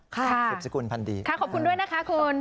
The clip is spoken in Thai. ค่ะขอบคุณด้วยนะคะคุณ